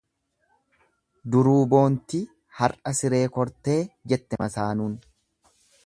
Duruu boontii har'a siree kortee jette masaanuun.